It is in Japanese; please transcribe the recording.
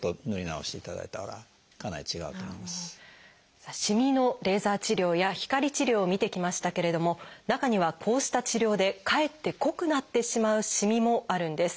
さあしみのレーザー治療や光治療を見てきましたけれども中にはこうした治療でかえって濃くなってしまうしみもあるんです。